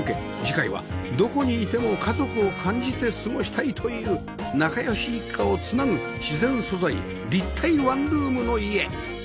次回はどこにいても家族を感じて過ごしたいという仲良し一家を繋ぐ自然素材立体ワンルームの家